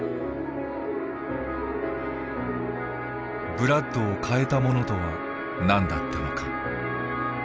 ブラッドを変えたものとは何だったのか。